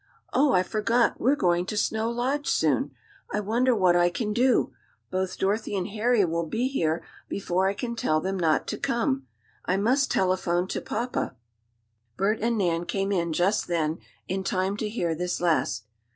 Oh, I forgot, we're going to Snow Lodge soon. I wonder what I can do? Both Dorothy and Harry will be here before I can tell them not to come. I must telephone to papa!" Bert and Nan came in just then, in time to hear this last.